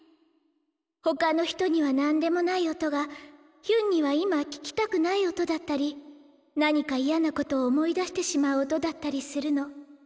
他の人には何でもない音がヒュンには今聴きたくない音だったり何か嫌な事を思い出してしまう音だったりするの。